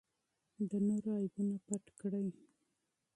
د نورو عیبونه پټ کړئ.